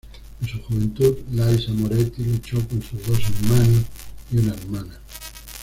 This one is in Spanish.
En su juventud, Lisa Moretti luchó con sus dos hermanos y una hermana.